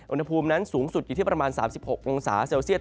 อุณหภูมินั้นสูงสุดอยู่ที่ประมาณ๓๖องศาเซลเซียต